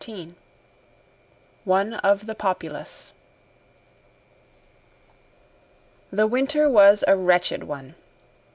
13 One of the Populace The winter was a wretched one.